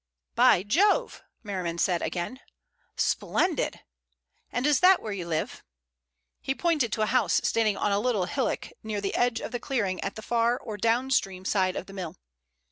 "By Jove!" Merriman said again. "Splendid! And is that where you live?" He pointed to a house standing on a little hillock near the edge of the clearing at the far or down stream side of the mill.